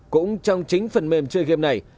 cũng trong chính phần mềm chơi game này